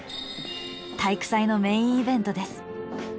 体育祭のメインイベントです。